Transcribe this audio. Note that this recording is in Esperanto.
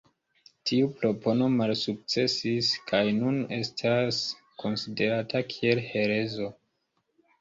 Tiu propono malsukcesis kaj nun estas konsiderata kiel herezo.